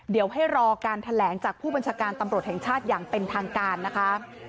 เดี๋ยวให้รอการแถลงจากผู้บัญชาการตำรวจแห่งชาติอย่างเป็นทางการนะคะ